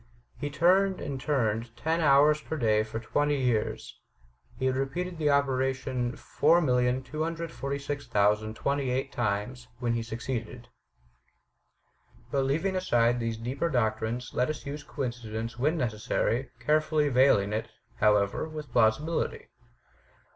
He turned and turned ten hours per day for twenty years. He had repeated the operation 4,246,028 times, when he succeeded." But leaving aside these deeper doctrines, let us use coinci dence when necessary, carefully veiling it, however, with plausibility.